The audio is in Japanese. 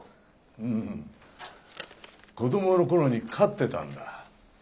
うん子どもの頃に飼ってたんだ。